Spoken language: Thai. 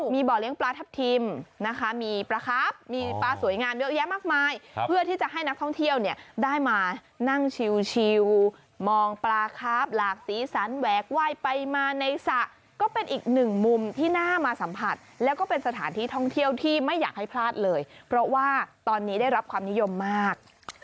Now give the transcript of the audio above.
มีบ่อเลี้ยงปลาทับทิมนะคะมีปลาครับมีปลาสวยงามเยอะแยะมากมายเพื่อที่จะให้นักท่องเที่ยวเนี่ยได้มานั่งชิวมองปลาครับหลากสีสันแหวกไหว้ไปมาในสระก็เป็นอีกหนึ่งมุมที่น่ามาสัมผัสแล้วก็เป็นสถานที่ท่องเที่ยวที่ไม่อยากให้พลาดเลยเพราะว่าตอนนี้ได้รับความนิยมมาก